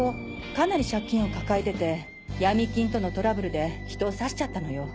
かなり借金を抱えててヤミ金とのトラブルで人を刺しちゃったのよ。